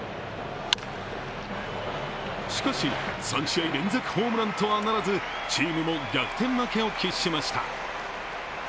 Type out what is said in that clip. しかし、３試合連続ホームランとはならず、チームも逆転負けを喫しました。